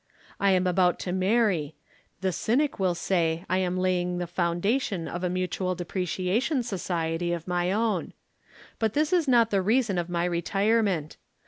I am about to marry the cynic will say I am laying the foundation of a Mutual Depreciation Society of my own. But this is not the reason of my retirement.